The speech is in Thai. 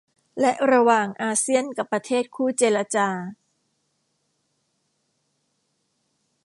และระหว่างอาเซียนกับประเทศคู่เจรจา